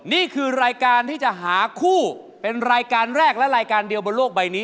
นี่คือรายการที่จะหาคู่เป็นรายการแรกและรายการเดียวบนโลกใบนี้